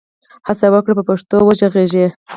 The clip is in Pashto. هڅه وکړئ په پښتو وږغېږئ.